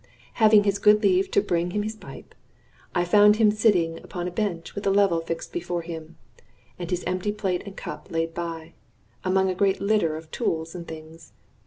Having his good leave to bring him his pipe, I found him sitting upon a bench with a level fixed before him, and his empty plate and cup laid by, among a great litter of tools and things.